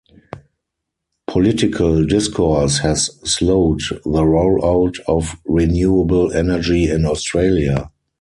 Political discourse has slowed the rollout of renewable energy in Australia.